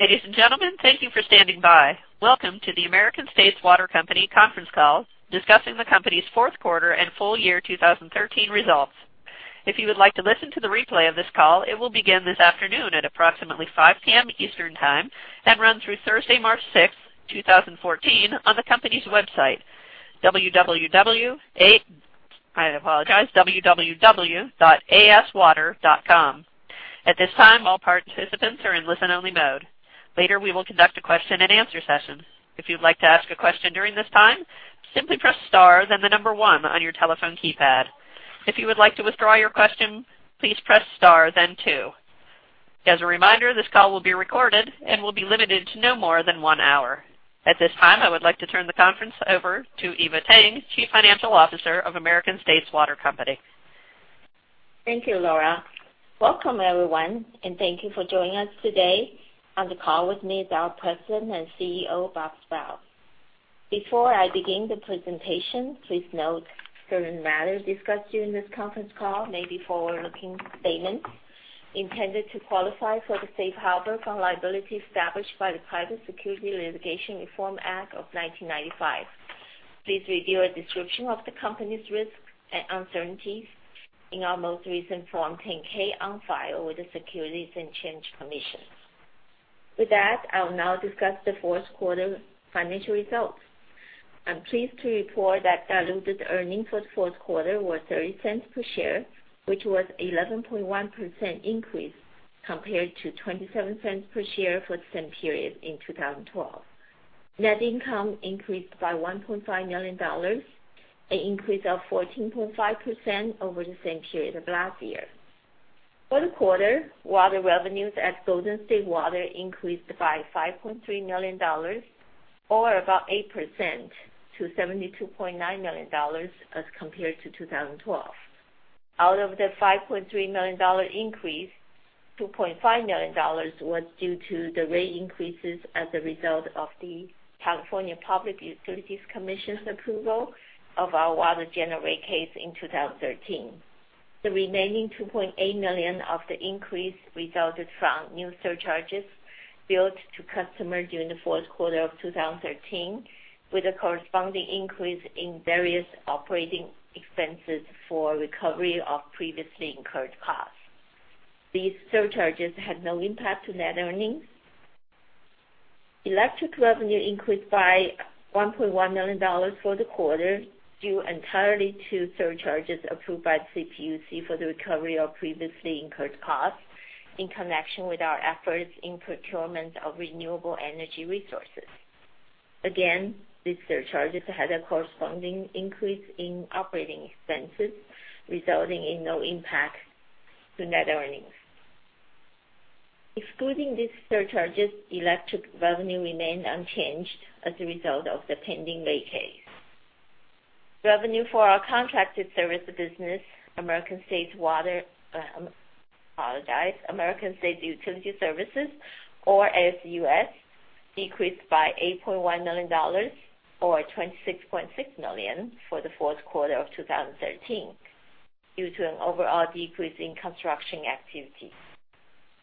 Ladies and gentlemen, thank you for standing by. Welcome to the American States Water Company conference call discussing the company's fourth quarter and full year 2013 results. If you would like to listen to the replay of this call, it will begin this afternoon at approximately 5:00 P.M. Eastern Time and run through Thursday, March 6, 2014, on the company's website, www.aswater.com. At this time, all participants are in listen-only mode. Later, we will conduct a question and answer session. If you'd like to ask a question during this time, simply press star then the number one on your telephone keypad. If you would like to withdraw your question, please press star then two. As a reminder, this call will be recorded and will be limited to no more than one hour. At this time, I would like to turn the conference over to Eva Tang, Chief Financial Officer of American States Water Company. Thank you, Laura. Welcome everyone, and thank you for joining us today. On the call with me is our President and CEO, Bob Sprowls. Before I begin the presentation, please note certain matters discussed during this conference call may be forward-looking statements intended to qualify for the safe harbor from liabilities established by the Private Securities Litigation Reform Act of 1995. Please review a description of the company's risks and uncertainties in our most recent Form 10-K on file with the Securities and Exchange Commission. With that, I will now discuss the fourth quarter financial results. I'm pleased to report that diluted earnings for the fourth quarter were $0.30 per share, which was 11.1% increase compared to $0.27 per share for the same period in 2012. Net income increased by $1.5 million, an increase of 14.5% over the same period of last year. For the quarter, water revenues at Golden State Water increased by $5.3 million or about 8% to $72.9 million as compared to 2012. Out of the $5.3 million increase, $2.5 million was due to the rate increases as a result of the California Public Utilities Commission's approval of our water general rate case in 2013. The remaining $2.8 million of the increase resulted from new surcharges billed to customers during the fourth quarter of 2013, with a corresponding increase in various operating expenses for recovery of previously incurred costs. These surcharges had no impact to net earnings. Electric revenue increased by $1.1 million for the quarter, due entirely to surcharges approved by the CPUC for the recovery of previously incurred costs in connection with our efforts in procurement of renewable energy resources. Again, these surcharges had a corresponding increase in operating expenses, resulting in no impact to net earnings. Excluding these surcharges, electric revenue remained unchanged as a result of the pending rate case. Revenue for our contracted services business, American States Water, I apologize, American States Utility Services, or ASUS, decreased by $8.1 million, or 26.6%, for the fourth quarter of 2013 due to an overall decrease in construction activities.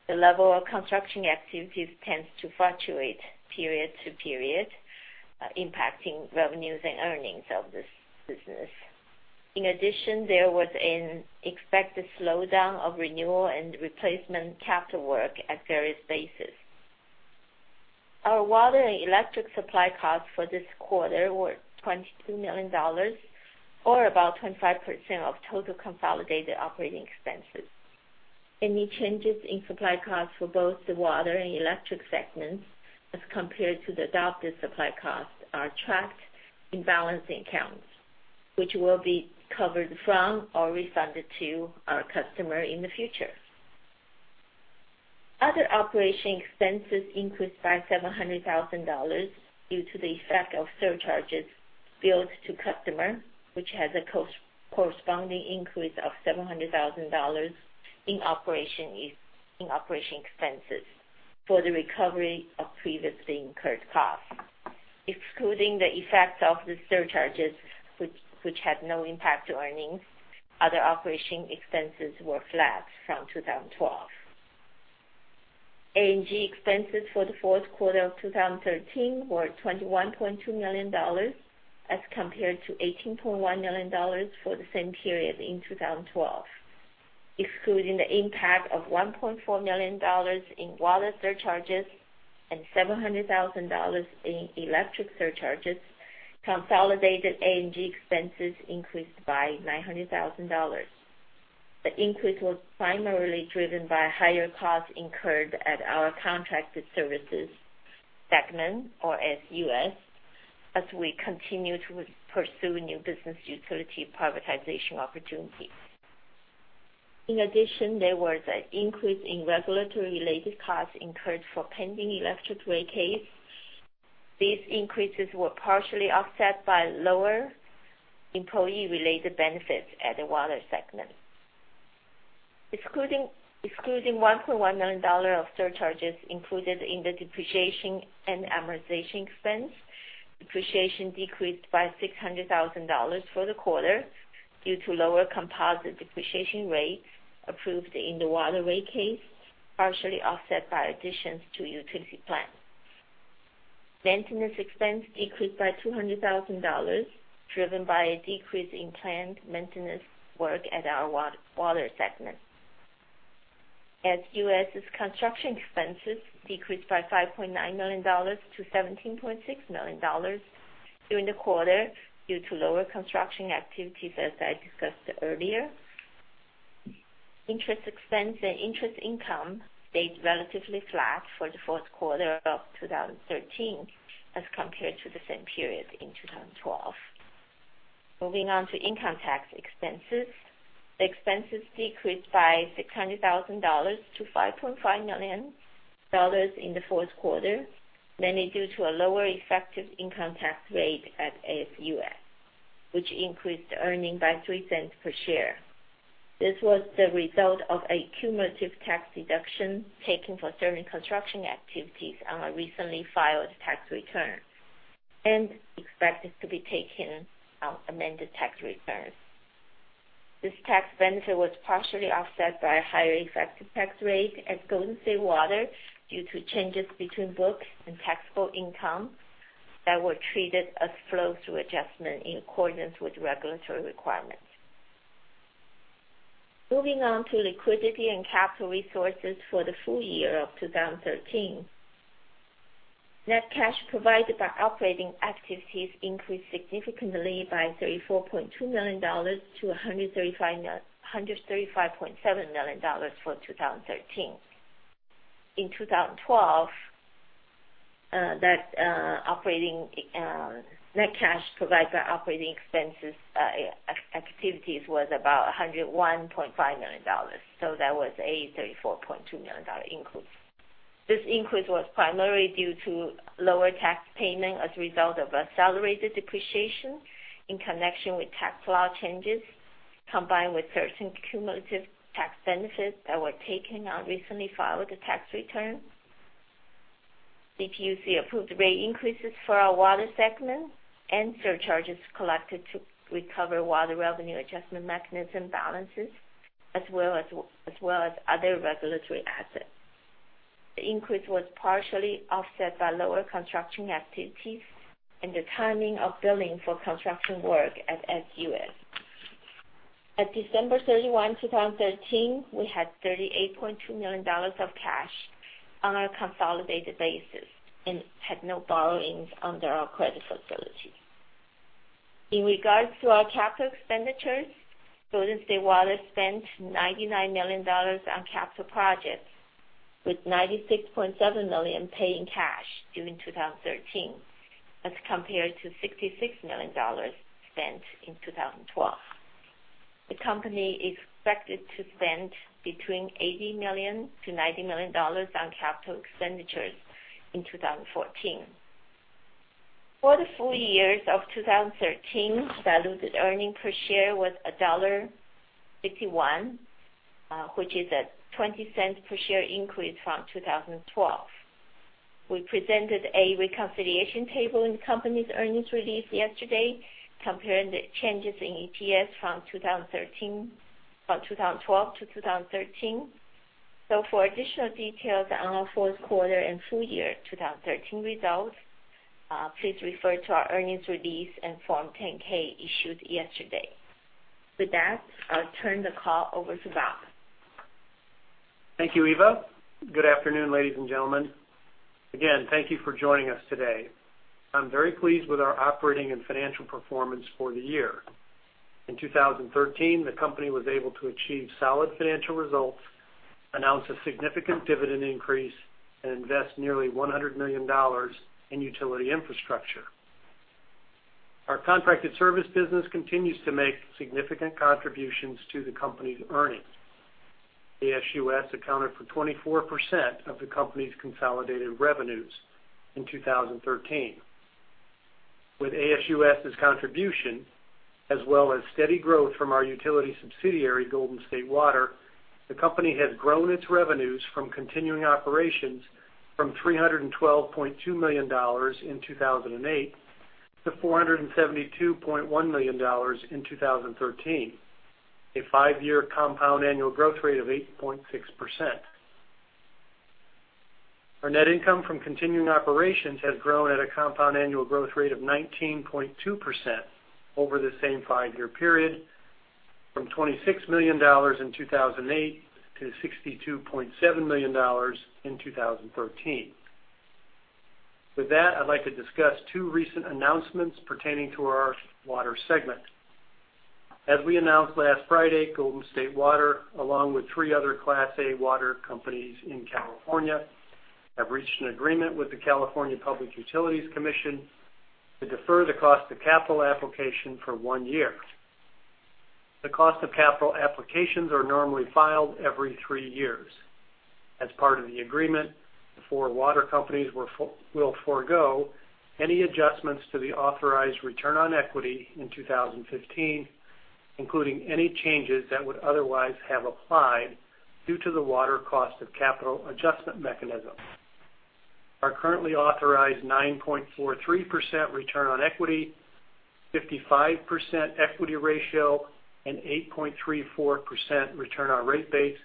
The level of construction activities tends to fluctuate period to period, impacting revenues and earnings of this business. In addition, there was an expected slowdown of renewal and replacement capital work at various bases. Our water and electric supply costs for this quarter were $22 million, or about 25% of total consolidated operating expenses. Any changes in supply costs for both the water and electric segments as compared to the adopted supply costs are tracked in balancing accounts, which will be covered from or refunded to our customer in the future. Other operating expenses increased by $700,000 due to the effect of surcharges billed to customer, which has a corresponding increase of $700,000 in operation expenses for the recovery of previously incurred costs. Excluding the effects of the surcharges, which had no impact to earnings, other operating expenses were flat from 2012. A&G expenses for the fourth quarter of 2013 were $21.2 million as compared to $18.1 million for the same period in 2012. Excluding the impact of $1.4 million in water surcharges and $700,000 in electric surcharges, consolidated A&G expenses increased by $900,000. The increase was primarily driven by higher costs incurred at our contracted services segment or ASUS, as we continue to pursue new business utility privatization opportunities. In addition, there was an increase in regulatory related costs incurred for pending electric rate case. These increases were partially offset by lower employee related benefits at the water segment. Excluding $1.1 million of surcharges included in the depreciation and amortization expense Depreciation decreased by $600,000 for the quarter due to lower composite depreciation rates approved in the water rate case, partially offset by additions to utility plants. Maintenance expense decreased by $200,000, driven by a decrease in planned maintenance work at our Water segment. ASUS's construction expenses decreased by $5.9 million to $17.6 million during the quarter due to lower construction activities, as I discussed earlier. Interest expense and interest income stayed relatively flat for the fourth quarter of 2013 as compared to the same period in 2012. Moving on to income tax expenses. Expenses decreased by $600,000 to $5.5 million in the fourth quarter, mainly due to a lower effective income tax rate at ASUS, which increased earning by $0.03 per share. This was the result of a cumulative tax deduction taken for certain construction activities on our recently filed tax return and expected to be taken on amended tax returns. This tax benefit was partially offset by a higher effective tax rate at Golden State Water due to changes between book and taxable income that were treated as flow-through adjustment in accordance with regulatory requirements. Moving on to liquidity and capital resources for the full year of 2013. Net cash provided by operating activities increased significantly by $34.2 million to $135.7 million for 2013. In 2012, net cash provided by operating activities was about $101.5 million, so that was a $34.2 million increase. This increase was primarily due to lower tax payment as a result of accelerated depreciation in connection with tax law changes, combined with certain cumulative tax benefits that were taken on recently filed tax returns. CPUC-approved rate increases for our Water segment and surcharges collected to recover Water Revenue Adjustment Mechanism balances, as well as other regulatory assets. The increase was partially offset by lower construction activities and the timing of billing for construction work at ASUS. At December 31, 2013, we had $38.2 million of cash on our consolidated basis and had no borrowings under our credit facility. In regards to our capital expenditures, Golden State Water spent $99 million on capital projects, with $96.7 million paid in cash during 2013, as compared to $66 million spent in 2012. The company expected to spend between $80 million-$90 million on capital expenditures in 2014. For the full years of 2013, diluted earnings per share was $1.51, which is a $0.20 per share increase from 2012. We presented a reconciliation table in the company's earnings release yesterday comparing the changes in EPS from 2012 to 2013. For additional details on our fourth quarter and full year 2013 results, please refer to our earnings release and Form 10-K issued yesterday. With that, I'll turn the call over to Bob. Thank you, Eva. Good afternoon, ladies and gentlemen. Again, thank you for joining us today. I'm very pleased with our operating and financial performance for the year. In 2013, the company was able to achieve solid financial results, announce a significant dividend increase, and invest nearly $100 million in utility infrastructure. Our contracted service business continues to make significant contributions to the company's earnings. ASUS accounted for 24% of the company's consolidated revenues in 2013. With ASUS's contribution, as well as steady growth from our utility subsidiary, Golden State Water, the company has grown its revenues from continuing operations from $312.2 million in 2008 to $472.1 million in 2013, a five-year compound annual growth rate of 8.6%. Our net income from continuing operations has grown at a compound annual growth rate of 19.2% over the same five-year period, from $26 million in 2008 to $62.7 million in 2013. With that, I'd like to discuss two recent announcements pertaining to our Water segment. As we announced last Friday, Golden State Water, along with three other Class A water companies in California, have reached an agreement with the California Public Utilities Commission to defer the cost of capital application for one year. The cost of capital applications are normally filed every three years. As part of the agreement, the four water companies will forego any adjustments to the authorized return on equity in 2015, including any changes that would otherwise have applied due to the Water Cost of Capital Adjustment Mechanism. Our currently authorized 9.43% return on equity, 55% equity ratio, and 8.34% return on rate base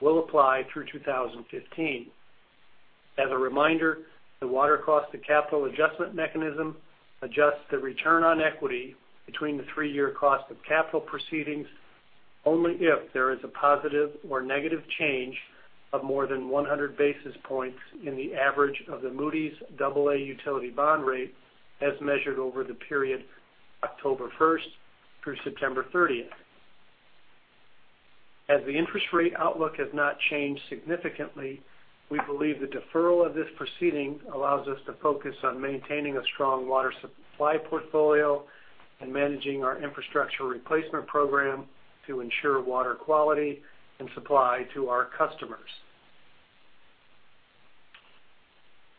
will apply through 2015. As a reminder, the Water Cost of Capital Adjustment Mechanism adjusts the return on equity between the three-year cost of capital proceedings, only if there is a positive or negative change of more than 100 basis points in the average of the Moody's Aa utility bond rate as measured over the period October 1st through September 30th. As the interest rate outlook has not changed significantly, we believe the deferral of this proceeding allows us to focus on maintaining a strong water supply portfolio and managing our infrastructure replacement program to ensure water quality and supply to our customers.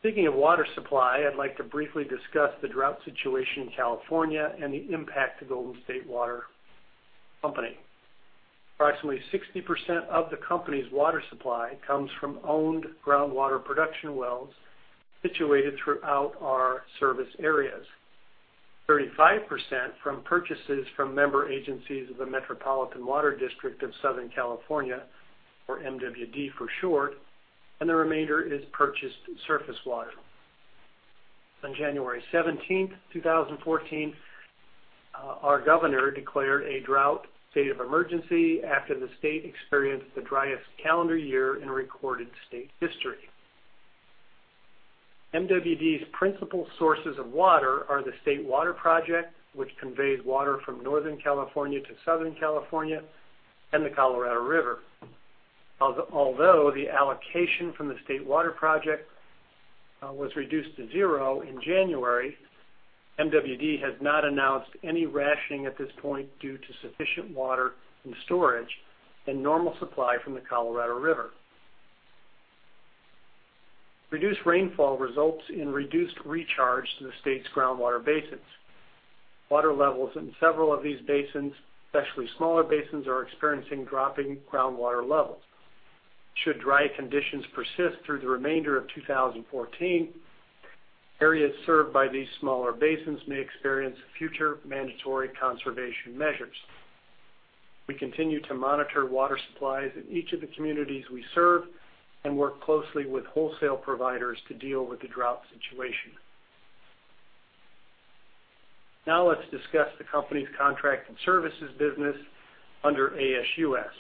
Speaking of water supply, I'd like to briefly discuss the drought situation in California and the impact to Golden State Water Company. Approximately 60% of the company's water supply comes from owned groundwater production wells situated throughout our service areas, 35% from purchases from member agencies of the Metropolitan Water District of Southern California, or MWD for short, and the remainder is purchased surface water. On January 17th, 2014, our governor declared a drought state of emergency after the state experienced the driest calendar year in recorded state history. MWD's principal sources of water are the State Water Project, which conveys water from Northern California to Southern California, and the Colorado River. Although the allocation from the State Water Project was reduced to zero in January, MWD has not announced any rationing at this point due to sufficient water in storage and normal supply from the Colorado River. Reduced rainfall results in reduced recharge to the state's groundwater basins. Water levels in several of these basins, especially smaller basins, are experiencing dropping groundwater levels. Should dry conditions persist through the remainder of 2014, areas served by these smaller basins may experience future mandatory conservation measures. We continue to monitor water supplies in each of the communities we serve and work closely with wholesale providers to deal with the drought situation. Now let's discuss the company's contract and services business under ASUS.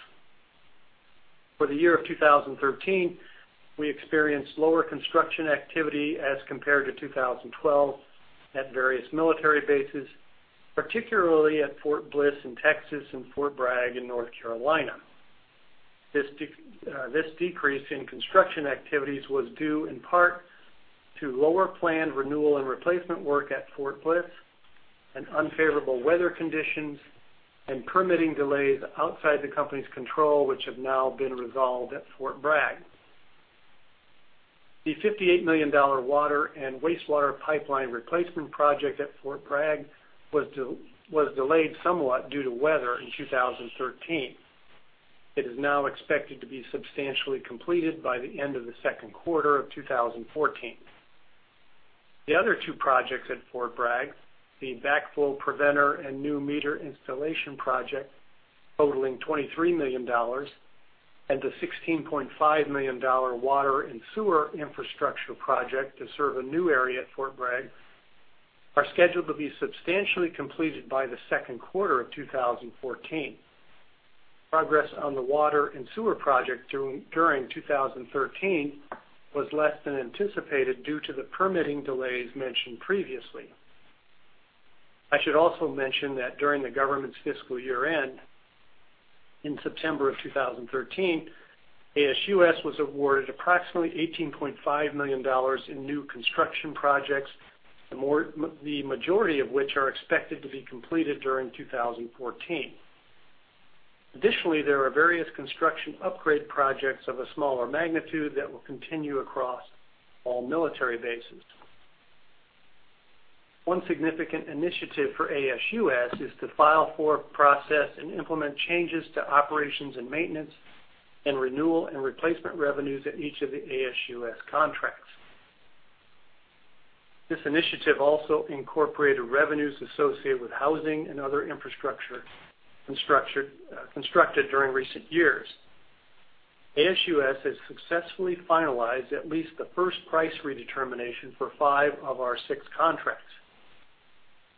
For the year of 2013, we experienced lower construction activity as compared to 2012 at various military bases, particularly at Fort Bliss in Texas and Fort Bragg in North Carolina. This decrease in construction activities was due in part to lower planned renewal and replacement work at Fort Bliss and unfavorable weather conditions and permitting delays outside the company's control, which have now been resolved at Fort Bragg. The $58 million water and wastewater pipeline replacement project at Fort Bragg was delayed somewhat due to weather in 2013. It is now expected to be substantially completed by the end of the second quarter of 2014. The other two projects at Fort Bragg, the backflow preventer and new meter installation project totaling $23 million, and the $16.5 million water and sewer infrastructure project to serve a new area at Fort Bragg, are scheduled to be substantially completed by the second quarter of 2014. Progress on the water and sewer project during 2013 was less than anticipated due to the permitting delays mentioned previously. I should also mention that during the government's fiscal year-end in September of 2013, ASUS was awarded approximately $18.5 million in new construction projects, the majority of which are expected to be completed during 2014. Additionally, there are various construction upgrade projects of a smaller magnitude that will continue across all military bases. One significant initiative for ASUS is to file for, process, and implement changes to operations and maintenance and renewal and replacement revenues at each of the ASUS contracts. This initiative also incorporated revenues associated with housing and other infrastructure constructed during recent years. ASUS has successfully finalized at least the first price redetermination for five of our six contracts.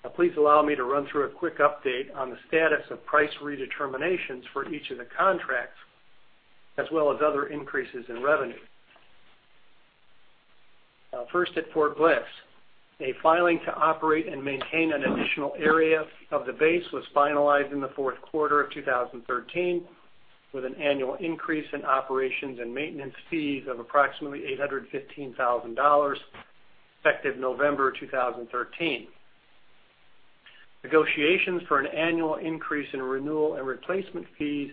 Now, please allow me to run through a quick update on the status of price redeterminations for each of the contracts, as well as other increases in revenue. First, at Fort Bliss, a filing to operate and maintain an additional area of the base was finalized in the fourth quarter of 2013, with an annual increase in operations and maintenance fees of approximately $815,000, effective November 2013. Negotiations for an annual increase in renewal and replacement fees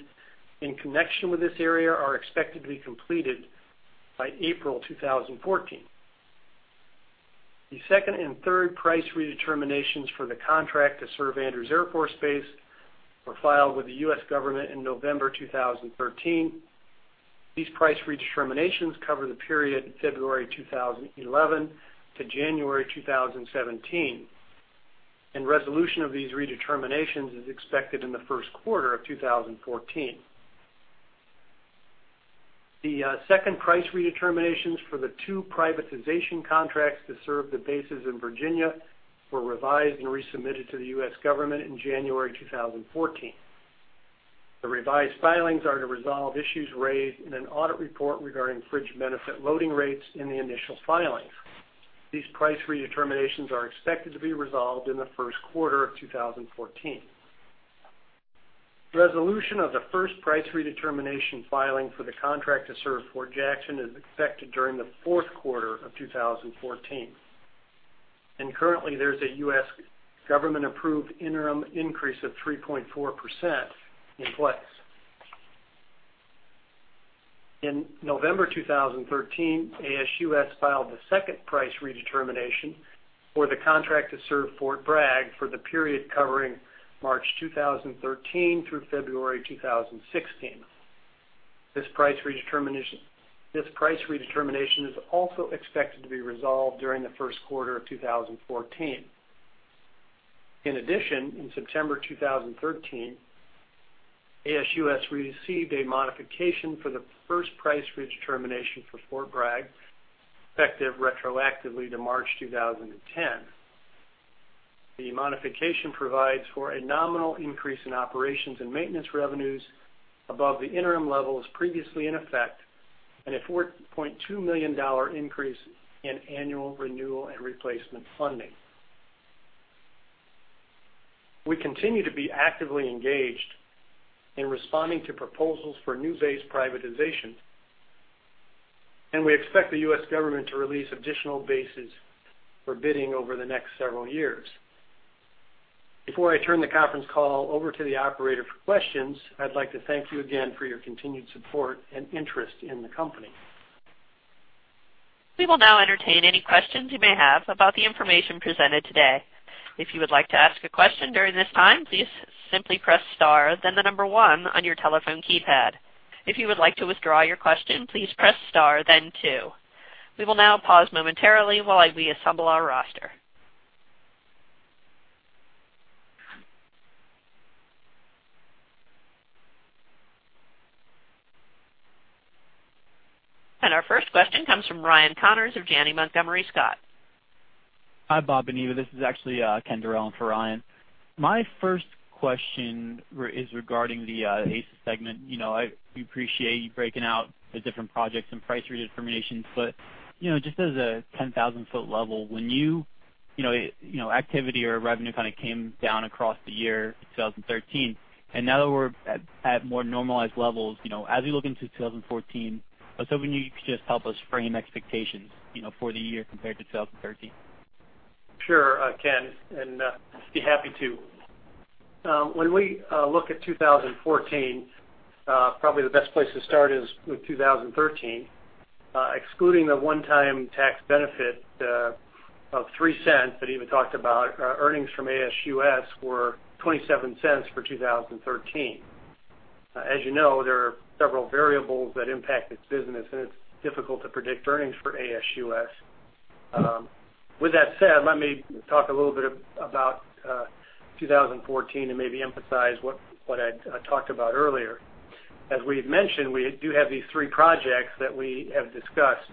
in connection with this area are expected to be completed by April 2014. The second and third price redeterminations for the contract to serve Andrews Air Force Base were filed with the U.S. government in November 2013. These price redeterminations cover the period February 2011 to January 2017. Resolution of these redeterminations is expected in the first quarter of 2014. The second price redeterminations for the two privatization contracts to serve the bases in Virginia were revised and resubmitted to the U.S. government in January 2014. The revised filings are to resolve issues raised in an audit report regarding fringe benefit loading rates in the initial filings. These price redeterminations are expected to be resolved in the first quarter of 2014. Resolution of the first price redetermination filing for the contract to serve Fort Jackson is expected during the fourth quarter of 2014. Currently, there's a U.S. government-approved interim increase of 3.4% in place. In November 2013, ASUS filed the second price redetermination for the contract to serve Fort Bragg for the period covering March 2013 through February 2016. This price redetermination is also expected to be resolved during the first quarter of 2014. In addition, in September 2013, ASUS received a modification for the first price redetermination for Fort Bragg, effective retroactively to March 2010. The modification provides for a nominal increase in operations and maintenance revenues above the interim levels previously in effect, and a $4.2 million increase in annual renewal and replacement funding. We continue to be actively engaged in responding to proposals for new base privatization, and we expect the U.S. government to release additional bases for bidding over the next several years. Before I turn the conference call over to the operator for questions, I'd like to thank you again for your continued support and interest in the company. We will now entertain any questions you may have about the information presented today. If you would like to ask a question during this time, please simply press star then the number one on your telephone keypad. If you would like to withdraw your question, please press star then two. We will now pause momentarily while we assemble our roster. Our first question comes from Ryan Connors of Janney Montgomery Scott. Hi, Bob and Eva. This is actually Ken Durrell in for Ryan. My first question is regarding the ASUS segment. We appreciate you breaking out the different projects and price redeterminations, just as a 10,000-foot level, when activity or revenue kind of came down across the year 2013. Now that we're at more normalized levels, as we look into 2014, I was hoping you could just help us frame expectations for the year compared to 2013. Sure, Ken. I'd be happy to. When we look at 2014, probably the best place to start is with 2013. Excluding the one-time tax benefit of $0.03 that Eva talked about, earnings from ASUS were $0.27 for 2013. As you know, there are several variables that impact its business, it's difficult to predict earnings for ASUS. With that said, let me talk a little bit about 2014 and maybe emphasize what I talked about earlier. As we had mentioned, we do have these three projects that we have discussed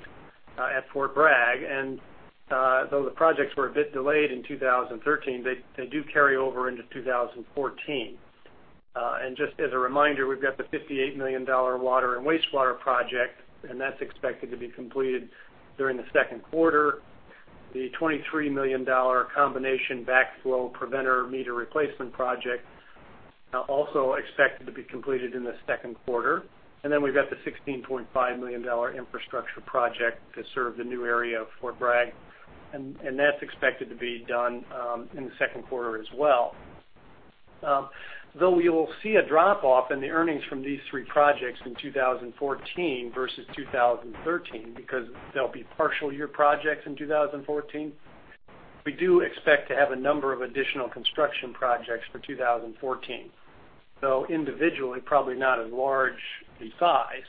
at Fort Bragg. Though the projects were a bit delayed in 2013, they do carry over into 2014. Just as a reminder, we've got the $58 million water and wastewater project, and that's expected to be completed during the second quarter. The $23 million combination backflow preventer meter replacement project, also expected to be completed in the second quarter. Then we've got the $16.5 million infrastructure project to serve the new area of Fort Bragg, and that's expected to be done in the second quarter as well. Though we will see a drop-off in the earnings from these three projects in 2014 versus 2013 because they'll be partial year projects in 2014, we do expect to have a number of additional construction projects for 2014. Though individually, probably not as large in size.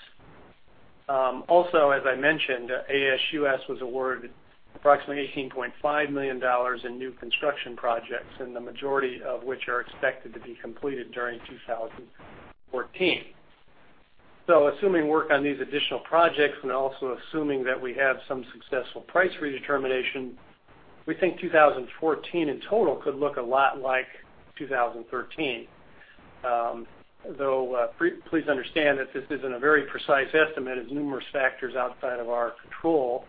Also, as I mentioned, ASUS was awarded approximately $18.5 million in new construction projects, the majority of which are expected to be completed during 2014. Assuming work on these additional projects and also assuming that we have some successful price redetermination, we think 2014 in total could look a lot like 2013. Please understand that this isn't a very precise estimate, as numerous factors outside of our control,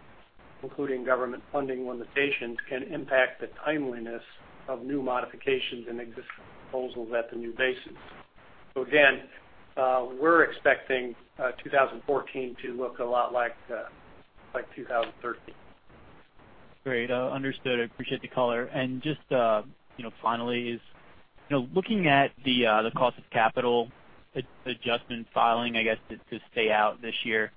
including government funding limitations, can impact the timeliness of new modifications and existing proposals at the new bases. Again, we're expecting 2014 to look a lot like 2013. Great. Understood. Appreciate the color. Just finally, looking at the cost of capital adjustment filing, I guess, to stay out this year.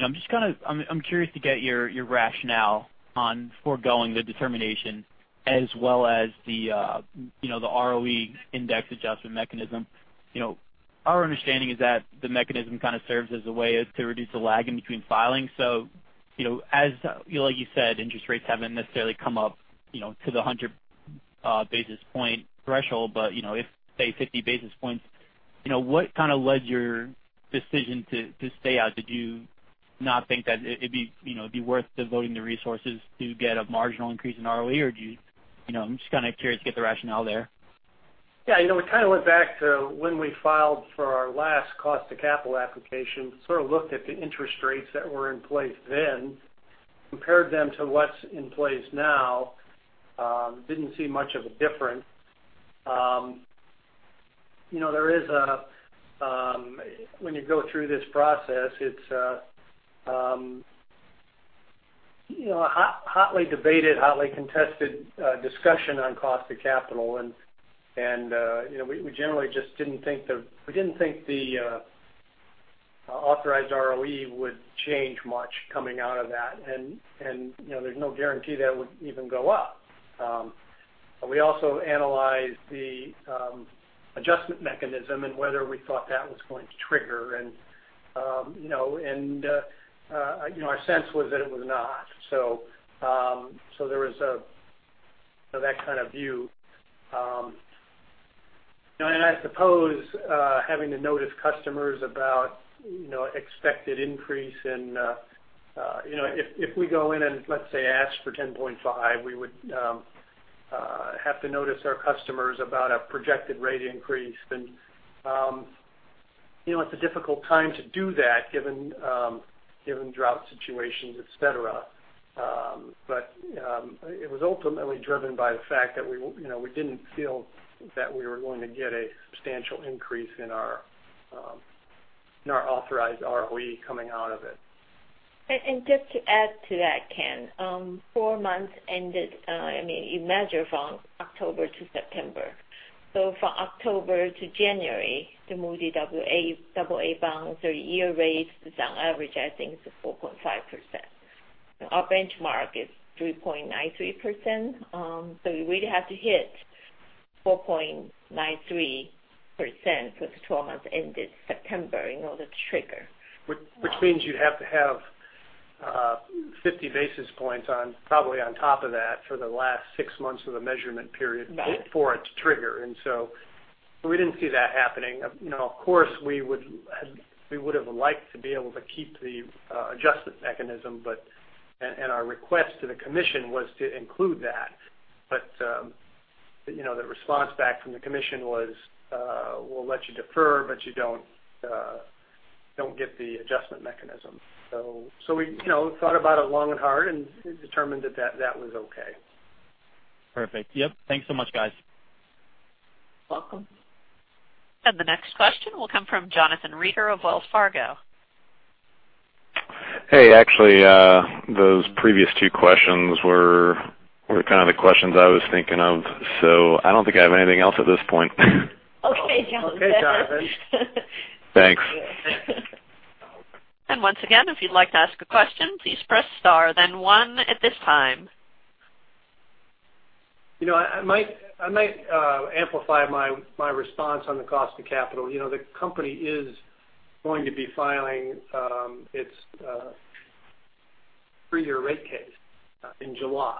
I'm curious to get your rationale on foregoing the determination as well as the ROE index adjustment mechanism. Our understanding is that the mechanism serves as a way to reduce the lag in between filings. Like you said, interest rates haven't necessarily come up to the 100 basis points threshold. If, say, 50 basis points, what led your decision to stay out? Did you not think that it'd be worth devoting the resources to get a marginal increase in ROE, or I'm just curious to get the rationale there. Yeah. We went back to when we filed for our last cost of capital application, looked at the interest rates that were in place then, compared them to what's in place now. Didn't see much of a difference. When you go through this process, it's a hotly debated, hotly contested discussion on cost of capital, and we generally just didn't think the authorized ROE would change much coming out of that. There's no guarantee that would even go up. We also analyzed the adjustment mechanism and whether we thought that was going to trigger, and our sense was that it was not. There was that kind of view. I suppose, having to notice customers about expected increase and if we go in and, let's say, ask for 10.5, we would have to notice our customers about a projected rate increase. It's a difficult time to do that given drought situations, et cetera. It was ultimately driven by the fact that we didn't feel that we were going to get a substantial increase in our authorized ROE coming out of it. Just to add to that, Ken, 4 months ended, you measure from October to September. From October to January, the Moody's Aa bonds or yield rates is on average, I think, it's a 4.5%. Our benchmark is 3.93%. We really have to hit 4.93% for the 12 months ended September in order to trigger. Which means you'd have to have 50 basis points probably on top of that for the last 6 months of the measurement period. Right for it to trigger. We didn't see that happening. Of course, we would've liked to be able to keep the adjustment mechanism, and our request to the commission was to include that. The response back from the commission was, "We'll let you defer, but you don't get the adjustment mechanism." We thought about it long and hard and determined that that was okay. Perfect. Yep. Thanks so much, guys. Welcome. The next question will come from Jonathan Reeder of Wells Fargo. Hey. Actually, those previous two questions were the questions I was thinking of, so I don't think I have anything else at this point. Okay, Jonathan. Okay, Jonathan. Thanks. Thank you. Once again, if you'd like to ask a question, please press star then one at this time. I might amplify my response on the cost of capital. The company is going to be filing its three-year water rate case in July.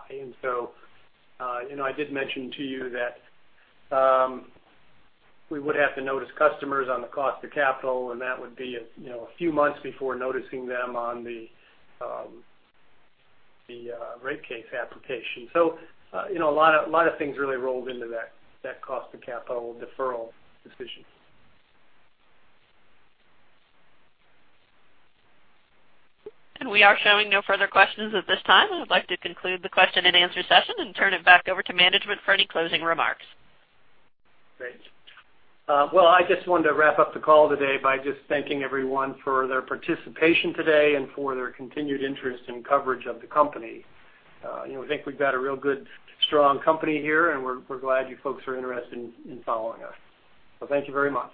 I did mention to you that we would have to notice customers on the cost of capital, and that would be a few months before noticing them on the water rate case application. A lot of things really rolled into that cost of capital deferral decision. We are showing no further questions at this time. We would like to conclude the question and answer session and turn it back over to management for any closing remarks. Well, I just wanted to wrap up the call today by just thanking everyone for their participation today and for their continued interest and coverage of the company. We think we've got a real good, strong company here, and we're glad you folks are interested in following us. Thank you very much.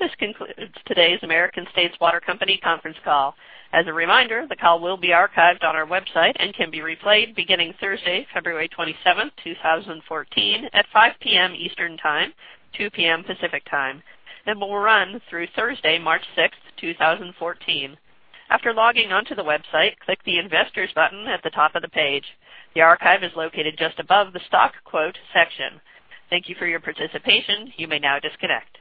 This concludes today's American States Water Company conference call. As a reminder, the call will be archived on our website and can be replayed beginning Thursday, February 27th, 2014, at 5:00 P.M. Eastern Time, 2:00 P.M. Pacific Time, and will run through Thursday, March 6th, 2014. After logging on to the website, click the investors button at the top of the page. The archive is located just above the stock quote section. Thank you for your participation. You may now disconnect.